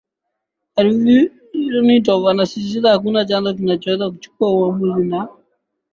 Arutyunov anasisitiza Hakuna chanzo kinachoweza kuchukua uamuzi na